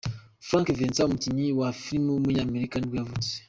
Frank Vincent, umukinnyi wa Film w’umunyamerika nibwo yavutse.